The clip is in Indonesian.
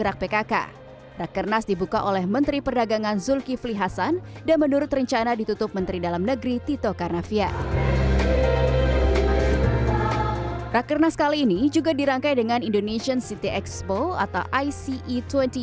rakernas kali ini juga dirangkai dengan indonesian city expo atau ice dua ribu dua puluh